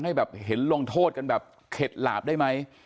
ให้แบบเห็นลงโทษกันแบบเข็ดหลาบได้ไหม